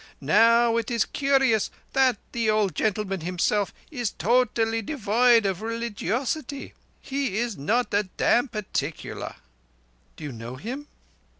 Now it is curious that the old gentleman himself is totally devoid of releegiosity. He is not a dam' particular." "Do you know him?"